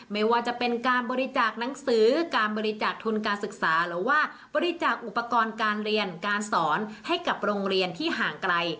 ไม่ว่าจะเป็นการบริจาคหนังสือการบริจาคทุนการศึกษาหรือว่าบริจาคอุปกรณ์การเรียนการสอนให้กับโรงเรียนที่ห่างไกล